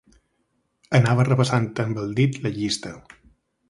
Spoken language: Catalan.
Anava repassant amb el dit la llista.